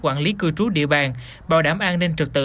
quản lý cư trú địa bàn bảo đảm an ninh trực tự